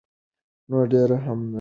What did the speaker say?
نو ډیر هم نه دي.